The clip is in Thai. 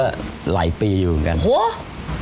ก็หลายปีอยู่เหมือนกัน